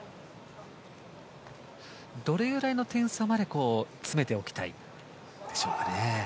どれぐらいの点差まで詰めておきたいでしょうか。